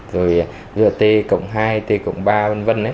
rồi t cộng hai t cộng ba v v